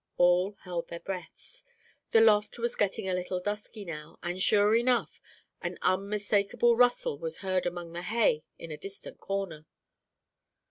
All held their breaths. The loft was getting a little dusky now, and sure enough, an unmistakable rustle was heard among the hay in a distant corner!